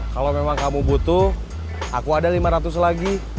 kalau memang kamu butuh aku ada lima ratus lagi